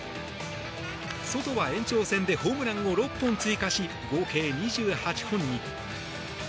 ソトは延長戦でホームランを６本追加し合計２８本に。